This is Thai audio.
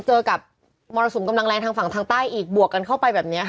เจอกับมรสุนกำลังแรงทางฝังทางใต้อีกหรือบวกกันเข้าไป